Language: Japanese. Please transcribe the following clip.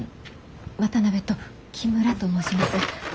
渡辺と木村と申します。